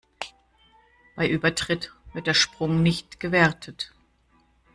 Bei Übertritt wird der Sprung nicht gewertet.